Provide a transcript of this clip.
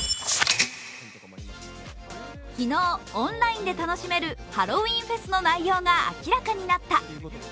昨日、オンラインで楽しめるハロウィーンフェスの内容が明らかになった。